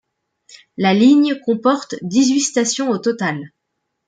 La ligne comporte dix-huit stations au total.